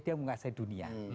dia menguasai dunia